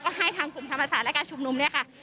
ก็ให้ทางกลุ่มธรรมศาสตร์และการชุมนุมเนี่ยค่ะ